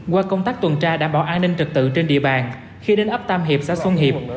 qua công tác tuần tra đảm bảo an ninh trực tự trên địa bàn khi đến ấp tam hiệp xã xuân hiệp